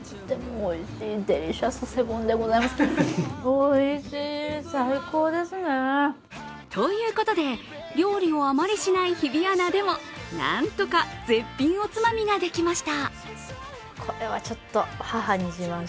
おいしい、最高ですね！ということで料理をあまりしない日比アナでもなんとか絶品おつまみができました。